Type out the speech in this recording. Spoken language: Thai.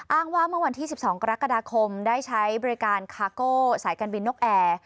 อ้างว่าเมื่อวันที่๑๒กรกฎาคมได้ใช้บริการคาโก้สายการบินนกแอร์